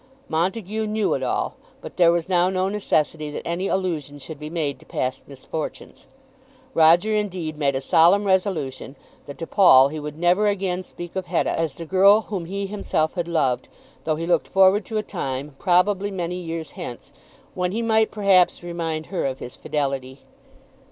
Montague knew it all, but there was now no necessity that any allusion should be made to past misfortunes. Roger indeed made a solemn resolution that to Paul he would never again speak of Hetta as the girl whom he himself had loved, though he looked forward to a time, probably many years hence, when he might perhaps remind her of his fidelity.